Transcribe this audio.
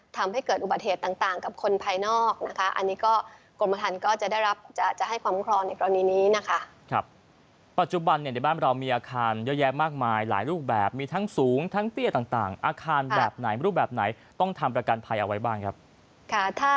ทำให้เกิดอุบัติเหตุต่างกับคนภายนอก